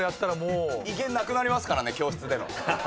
威厳なくなりますからね教室での。